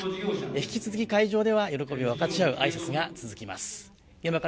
引き続き会場では喜びを分かち合う挨拶が続きます。